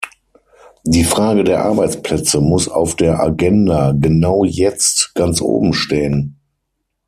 Die Frage der Arbeitsplätze muss auf der Agenda genau jetzt ganz oben stehen.